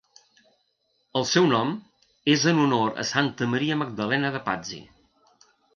El seu nom és en honor a Santa Maria Magdalena de Pazzi.